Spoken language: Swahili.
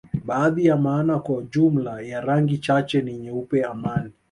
Baadhi ya maana kwa jumla ya rangi chache ni nyeupe amani